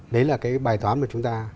đấy là cái bài toán mà chúng ta